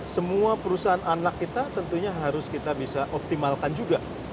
semua perusahaan anak kita tentunya harus kita bisa optimalkan juga